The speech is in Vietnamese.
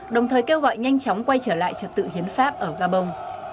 đồng thời kêu gọi nhanh chóng quay trở lại trật tự hiến pháp ở gabon